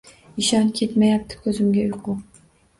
Ishon, kelmayapti ko’zimga uyqu.